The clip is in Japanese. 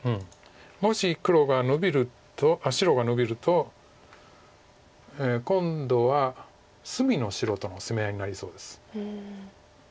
もし黒がノビるとあっ白がノビると今度は隅の白との攻め合いになりそうです。